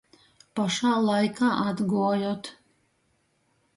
Pošā laikā atguojot.